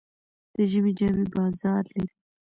د ژمي جامې بازار لري.